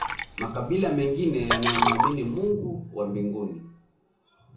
makabila mengine yanayomwamini mungu wa mbinguni